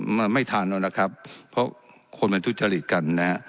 มันไม่ทันแล้วนะครับเพราะคนมันทุจริตกันนะฮะ